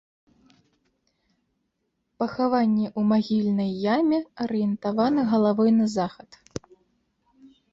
Пахаванне ў магільнай яме, арыентавана галавой на захад.